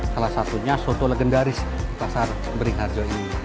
salah satunya soto legendaris pasar berikharjo ini